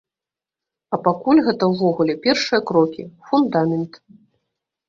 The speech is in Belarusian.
А пакуль гэта ўвогуле першыя крокі, фундамент.